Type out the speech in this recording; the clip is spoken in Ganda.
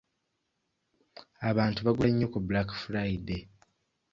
Abantu bagula nnyo ku Black Friday.